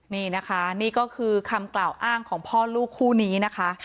นี่นะคะนี่ก็คือคำกล่าวอ้างของพ่อลูกคู่นี้นะคะ